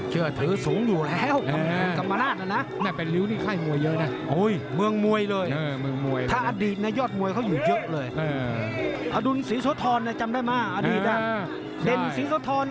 เฮ้อแล้วยังมีอีกซาวจอดต้อย